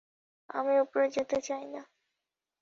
আমি উপরে যেতে চাই না।